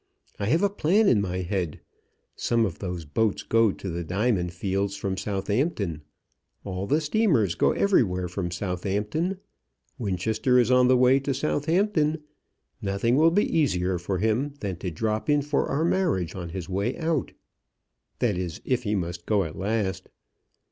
I have a plan in my head. Some of those boats go to the diamond fields from Southampton. All the steamers go everywhere from Southampton. Winchester is on the way to Southampton. Nothing will be easier for him than to drop in for our marriage on his way out. That is, if he must go at last."